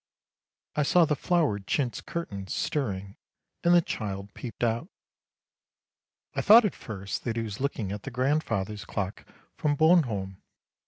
I saw the flowered chintz curtains stirring and the child peeped out. I thought at first that he was looking at the grandfather's clock from Bornholm.